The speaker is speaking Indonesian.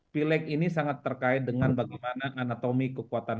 pileg ini sangat terkait dengan bagaimana anatomi kekuatan